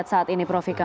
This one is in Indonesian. terima kasih ya